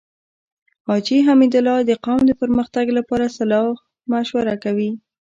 حاجی حميدالله د قوم د پرمختګ لپاره صلاح مشوره کوي.